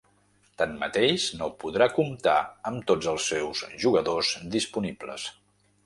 Tanmateix, no podrà comptar amb tots els seus jugadors disponibles.